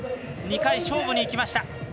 ２回、勝負にいきました。